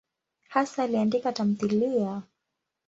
Hasa aliandika tamthiliya.